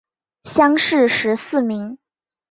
乡试十四名。